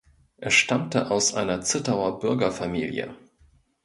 Er stammte aus einer Zittauer Bürgerfamilie.